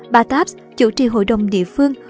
bataps chủ trì hội đồng địa phương